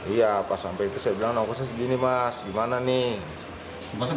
iya pas sampai itu saya bilang nah aku harusnya segini mas gimana nih